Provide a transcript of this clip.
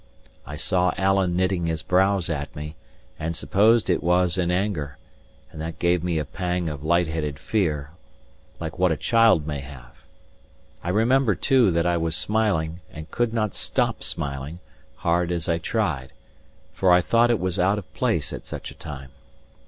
I saw Alan knitting his brows at me, and supposed it was in anger; and that gave me a pang of light headed fear, like what a child may have. I remember, too, that I was smiling, and could not stop smiling, hard as I tried; for I thought it was out of place at such a time.